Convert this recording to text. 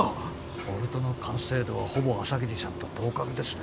ボルトの完成度はほぼ朝霧さんと同格ですね。